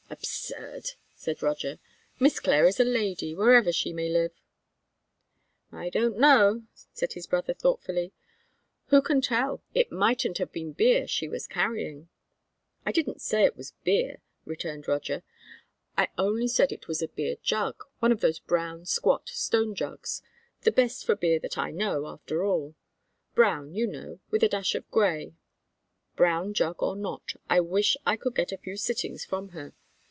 "Absurd!" said Roger. "Miss Clare is a lady, wherever she may live." "I don't know," said his brother thoughtfully; "who can tell? It mightn't have been beer she was carrying." "I didn't say it was beer," returned Roger. "I only said it was a beer jug, one of those brown, squat, stone jugs, the best for beer that I know, after all, brown, you know, with a dash of gray." "Brown jug or not, I wish I could get a few sittings from her.